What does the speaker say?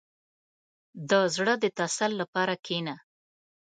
• د زړه د تسل لپاره کښېنه.